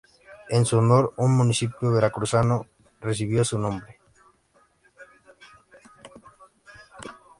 En su honor, un municipio veracruzano recibió su nombre.